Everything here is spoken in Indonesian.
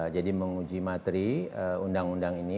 jadi menguji materi undang undang ini